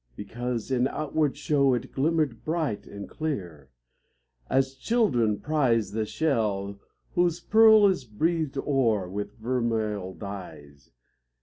Because in outvrard shovr it glimmered bright and clear ; (As children prize The shell whose pearl is breathed o'er With vermeil dyes.